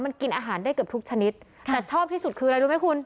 มันกินอาหารได้เกือบทุกชนิดแต่ชอบที่สุดคืออะไรรู้ไหมคุณ